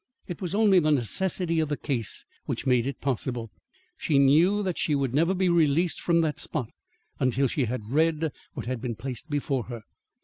It was only the necessity of the case which made it possible. She knew that she would never be released from that spot until she had read what had been placed before her.